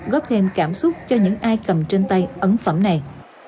góp thêm cảm xúc cho những ai cầm trên tay ấn phẩm này